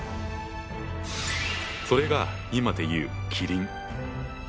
それが今で言うキリン。